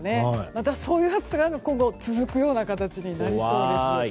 またそういう暑さが今後、続く形になりそうです。